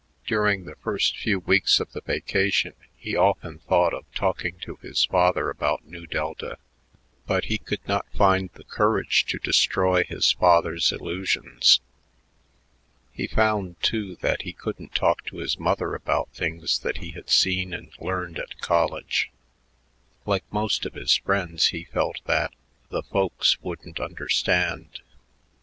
During the first few weeks of the vacation he often thought of talking to his father about Nu Delta, but he could not find the courage to destroy his father's illusions. He found, too, that he couldn't talk to his mother about things that he had seen and learned at college. Like most of his friends, he felt that "the folks wouldn't understand."